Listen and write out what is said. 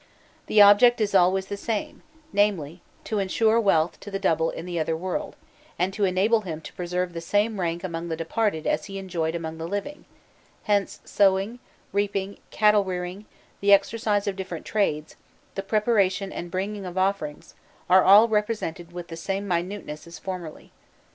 The object is always the same, namely, to ensure wealth to the double in the other world, and to enable him to preserve the same rank among the departed as he enjoyed among the living: hence sowing, reaping, cattle rearing, the exercise of different trades, the preparation and bringing of offerings, are all represented with the same minuteness as formerly.